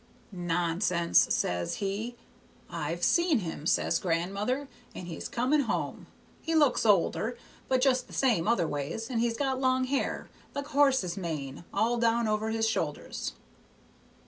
'Nonsense,' says he. 'I've seen him,' says grandmother, 'and he's coming home. He looks older, but just the same other ways, and he's got long hair, like a horse's mane, all down over his shoulders.'